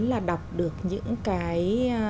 là đọc được những cái